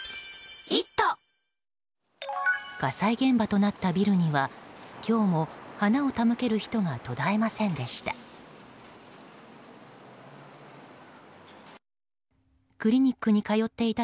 火災現場となったビルには今日も花を手向ける人が途絶えませんでした。